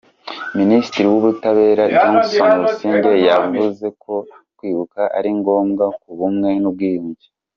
Minisitiri w’ubutabera Johnston Busingye yavuze ko kwibuka ari ngombwa ku bumwe n’ ubwiyunge.